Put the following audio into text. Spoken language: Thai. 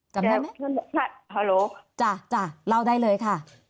จำได้ไหมฮาโหลจ้ะจ้ะเล่าได้เลยค่ะ